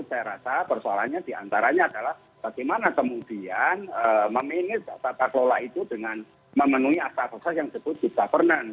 saya rasa persoalannya diantaranya adalah bagaimana kemudian memenuhi tata kelola itu dengan memenuhi atas atas yang disebut di governance